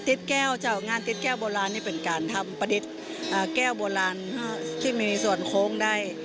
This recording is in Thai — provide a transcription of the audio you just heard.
แก้วเจ้างานติดแก้วโบราณนี่เป็นการทำประดิษฐ์แก้วโบราณที่มีส่วนโค้งได้